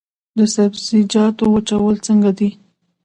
د سبزیجاتو وچول څنګه دي؟